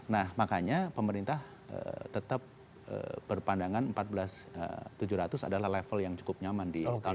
nah makanya pemerintah tetap berpandangan empat belas tujuh ratus adalah level yang cukup nyaman di tahun dua ribu